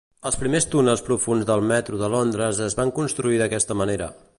Els primers túnels profunds pel Metro de Londres es van construir d'aquesta manera.